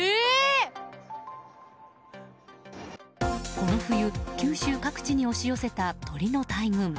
この冬、九州各地に押し寄せた鳥の大群。